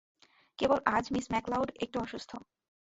কেবল আজ Miss McLeod একটু অসুস্থ।